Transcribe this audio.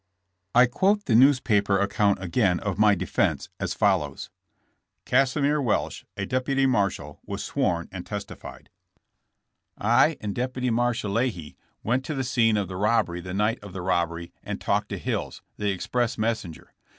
'^ I quote the newspaper account again of my defense, as follows: Cassimer Welsh, a deputy marshal, was sworn and testified : TH« TRIAI. FOR TRAIN ROBBERY. 171 I and Deputy Marshal Leahy went to the scene of the robbery the night of the robbery and talked to Hills, the express messenger.